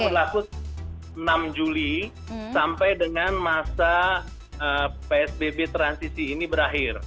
berlaku enam juli sampai dengan masa psbb transisi ini berakhir